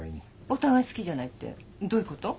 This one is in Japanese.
お互い好きじゃないってどういうこと？